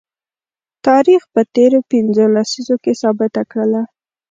تاریخ په تیرو پنځو لسیزو کې ثابته کړله